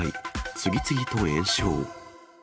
次々と延焼。